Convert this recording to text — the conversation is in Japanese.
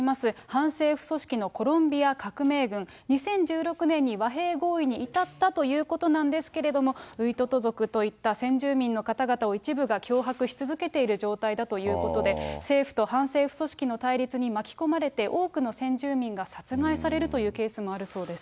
反政府組織のコロンビア革命軍、２０１６年に和平合意に至ったということなんですけれども、ウイトト族といった先住民の方々を、一部が脅迫し続けている状態だということで、政府と反政府組織の対立に巻き込まれて、多くの先住民が殺害されるというケースもあるそうです。